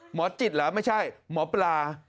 หมอจิตเหรอไม่ใช่หมอปลา